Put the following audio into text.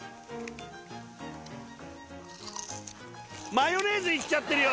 マヨネーズいっちゃってるよ！